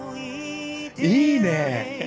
いいねぇ！